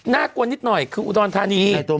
กลัวนิดหน่อยคืออุดรธานี